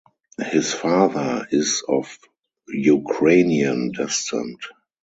His father is of Ukrainian descent.